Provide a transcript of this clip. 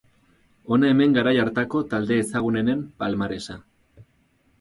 Hona hemen garai hartako talde ezagunenen palmaresa.